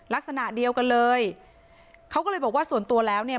ลักษณะเดียวกันเลยเขาก็เลยบอกว่าส่วนตัวแล้วเนี่ย